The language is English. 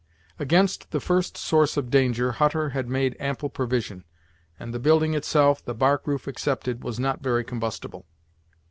Against the first source of danger Hutter had made ample provision, and the building itself, the bark roof excepted, was not very combustible.